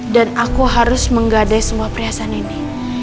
dan aku harus menggadai semua perhiasan ini